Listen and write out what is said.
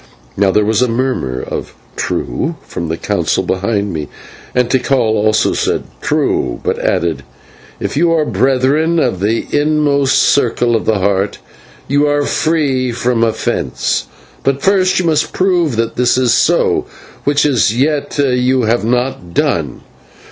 Now there was a murmur of "True" from the Council behind me, and Tikal also said "True," but added, "If you are Brethren from the inmost circle of the Heart, you are free from offence; but first you must prove that this is so, which as yet you have not done.